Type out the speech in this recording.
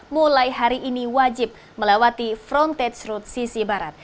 mulai hari ini wajib melewati frontage road sisi barat